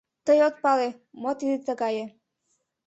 — Тый от пале, мо тиде тыгае.